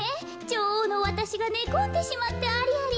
じょおうのわたしがねこんでしまってアリアリ。